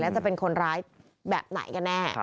จะเป็นคนร้ายแบบไหนกันแน่